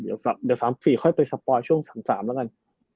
เดี๋ยว๓๔ค่อยไปสปอยช่วง๓๓แล้วกัน